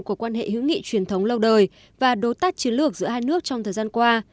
của quan hệ hữu nghị truyền thống lâu đời và đối tác chiến lược giữa hai nước trong thời gian qua